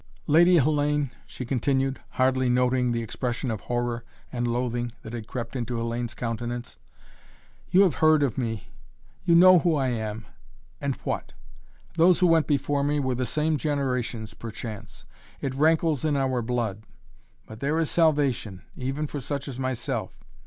Lady Hellayne," she continued, hardly noting the expression of horror and loathing that had crept into Hellayne's countenance. "You have heard of me you know who I am and what! Those who went before me were the same, generations, perchance. It rankles in our blood. But there is salvation even for such as myself.